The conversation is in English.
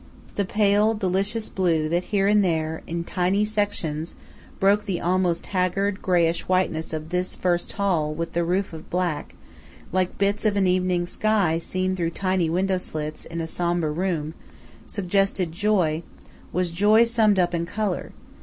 The pale, delicious blue that here and there, in tiny sections, broke the almost haggard, greyish whiteness of this first hall with the roof of black, like bits of an evening sky seen through tiny window slits in a sombre room, suggested joy, was joy summed up in color.